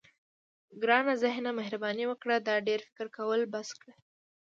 ګرانه ذهنه مهرباني وکړه دا ډېر فکر کول بس کړه.